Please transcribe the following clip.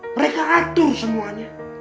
mereka atur semuanya